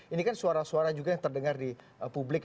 ini kan suara suara juga yang terdengar di publik